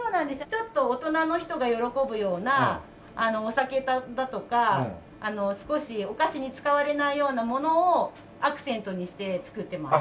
ちょっと大人の人が喜ぶようなお酒だとか少しお菓子に使われないようなものをアクセントにして作ってます。